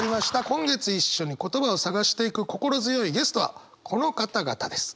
今月一緒に言葉を探していく心強いゲストはこの方々です。